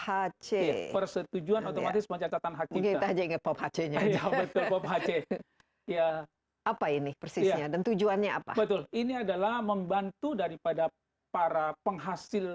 askri mengacet pop page apa ini persediaan dan tujuannya apa featured bandar hari hai para penghasil